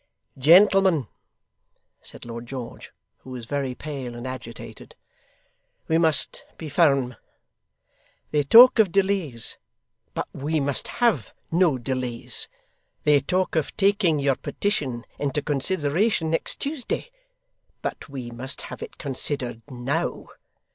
'Gentlemen,' said Lord George, who was very pale and agitated, 'we must be firm. They talk of delays, but we must have no delays. They talk of taking your petition into consideration next Tuesday, but we must have it considered now.